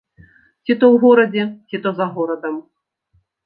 Ці то ў горадзе, ці то за горадам.